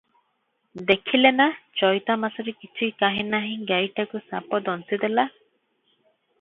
ଦେଖିଲେ ନା ଚୈଇତମାସରେ କିଛି କାହିଁ ନାହିଁ, ଗାଈଟାକୁ ସାପ ଦଂଶିଦେଲା!